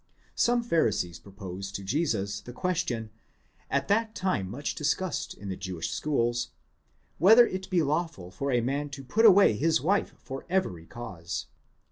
Some Pharisees propose to Jesus the question, at that time much discussed in the Jewish schools,® whether it be lawful for a man to put away his wife for every cause.